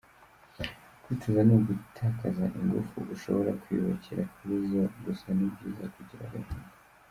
Kwicuza ni ugutakaza ingufu, ushobora kwiyubakira kuri zo; gusa ni byiza kugira agahinda”.